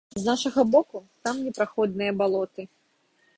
З нашага боку там непраходныя балоты.